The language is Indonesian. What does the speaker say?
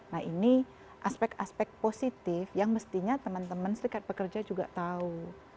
nah ini aspek aspek positif yang mestinya teman teman serikat pekerja juga tahu